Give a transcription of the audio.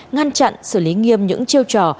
ngăn chặn xử lý nghiêm những chiêu trò